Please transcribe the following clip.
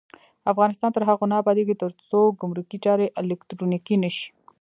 افغانستان تر هغو نه ابادیږي، ترڅو ګمرکي چارې الکترونیکي نشي.